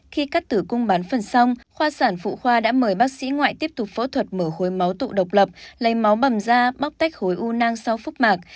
khi cắt tử cung bán phần xong khoa sản phụ khoa đã mời bác sĩ ngoại tiếp tục phẫu thuật mở khối máu tụ độc lập lấy máu bẩm da bóc tách khối u nang sau phúc mạc